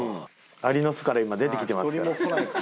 アリの巣から今出てきてますから。